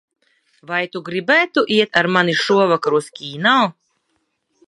Vai tu gribētu iet ar mani šovakar uz kino?